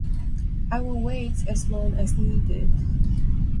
I will wait as long as needed.